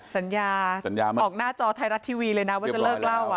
สัญญาสัญญามาออกหน้าจอไทยรัฐทีวีเลยนะว่าจะเลิกเล่า